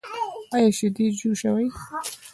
ایا شیدې جوشوئ؟